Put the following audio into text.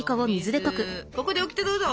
ここでオキテどうぞ！